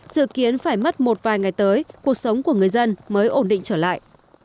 dự kiến phải mất một vài ngày tới cuộc sống của người dân mới ổn định trở lại